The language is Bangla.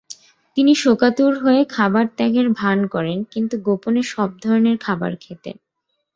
তিনি শোকাতুর হয়ে খাবার ত্যাগের ভান করেন কিন্তু গোপনে সব ধরনের খাবার খেতেন।